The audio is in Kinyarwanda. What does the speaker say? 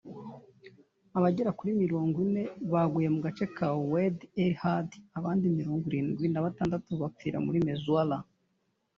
abagera kuri mirongo ine baguye mu gace ka Oued El-Had abandi mirongo irindwi na batandatu bapfira Mezouara